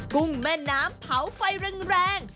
กุ้งแม่น้ำเผาไฟแรง